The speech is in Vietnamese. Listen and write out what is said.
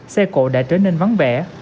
xe cộ đã trở nên vắng vẻ